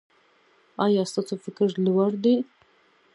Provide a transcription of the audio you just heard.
ایا ستاسو فکر لوړ دی؟